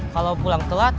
kalau pulang telat